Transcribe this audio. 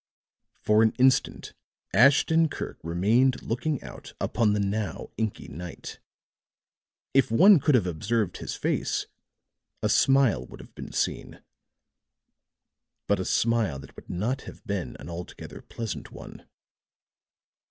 For an instant Ashton Kirk remained looking out upon the now inky night; if one could have observed his face, a smile would have been seen; but a smile that would not have been an altogether pleasant one.